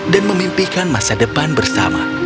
dan memimpikan masa depan bersama